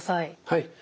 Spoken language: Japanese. はい。